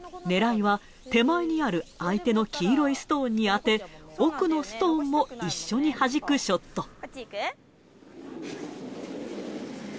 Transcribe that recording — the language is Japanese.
狙いは、手前にある相手の黄色いストーンに当て、奥のストーンも一緒にはじくショット。